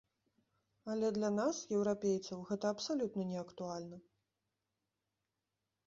Але для нас, еўрапейцаў, гэта абсалютна неактуальна.